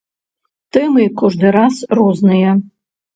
Тэмы кожны раз розныя.